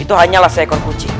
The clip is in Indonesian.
itu hanyalah seekor kunci